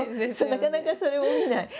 なかなかそれも見ない。